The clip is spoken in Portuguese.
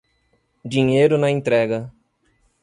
Dinheiro na entrega